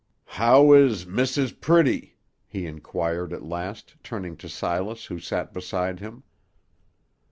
"How is Missus Pretty?" he inquired at last, turning to Silas, who sat beside him.